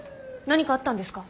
何かあったんですか？